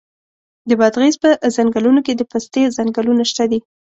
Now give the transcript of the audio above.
د بادغیس په څنګلونو کې د پستې ځنګلونه شته دي.